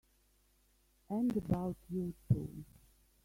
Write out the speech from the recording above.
And about you too!